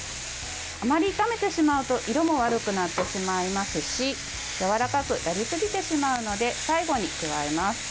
あまり炒めてしまうと色も悪くなってしまいますしやわらかくなりすぎてしまうので最後に加えます。